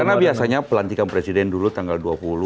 karena biasanya pelantikan presiden dulu tanggal dua puluh